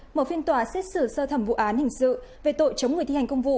mở phiên tòa xét xử sơ thẩm vụ án hình sự về tội chống người thi hành công vụ